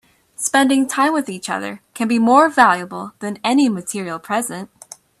Spending time with each other can be more valuable than any material present.